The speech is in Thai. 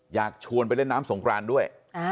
อยากชวนไปเล่นน้ำสงครานด้วย